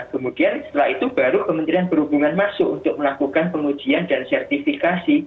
kemudian setelah itu baru kementerian perhubungan masuk untuk melakukan pengujian dan sertifikasi